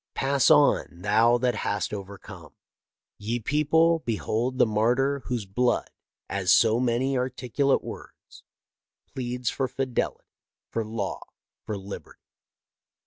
Pass on, thou that hast overcome. Ye people, behold the martyr whose blood, as so many articu late words, pleads for fidelity, for law, for liberty."